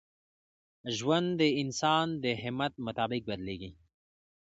ژوند د انسان د همت مطابق بدلېږي.